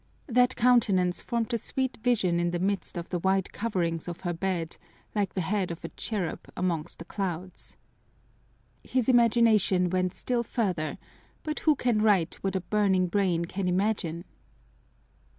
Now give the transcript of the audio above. That countenance formed a sweet vision in the midst of the white coverings of her bed like the head of a cherub among the clouds. His imagination went still further but who can write what a burning brain can imagine?